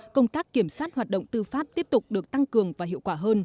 công tác kiểm sát hoạt động tư pháp tiếp tục được tăng cường và hiệu quả hơn